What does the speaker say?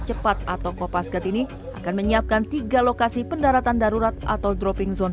cepat atau kopasgat ini akan menyiapkan tiga lokasi pendaratan darurat atau dropping zone